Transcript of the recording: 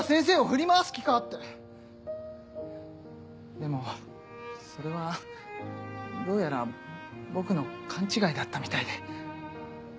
でもそれはどうやら僕の勘違いだったみたいで。